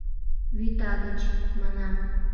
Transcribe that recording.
— Вӱта гыч, — манам.